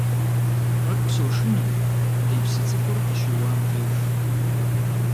Тӏэкӏу сошынэ ди псы цӏыкӏур къыщиуам деж.